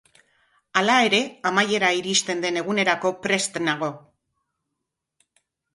Hala ere, amaiera iristen den egunerako prest nago.